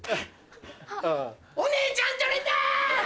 お姉ちゃん取れた！